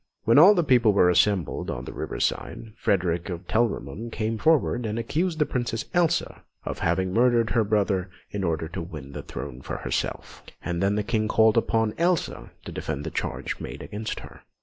When all the people were assembled on the river side, Frederick of Telramund came forward and accused the Princess Elsa of having murdered her brother in order to win the throne for herself; and then the King called upon Elsa to defend the charge made against her.